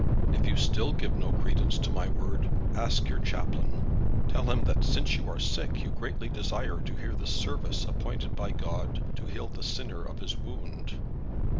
If you still give no credence to my word, ask for your chaplain; tell him that since you are sick you greatly desire to hear the Service appointed by God to heal the sinner of his wound.